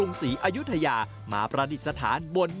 ซึ่งเป็นประเพณีที่มีหนึ่งเดียวในประเทศไทยและหนึ่งเดียวในโลก